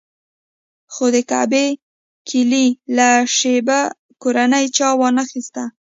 خو د کعبې کیلي له شیبه کورنۍ چا وانخیسته.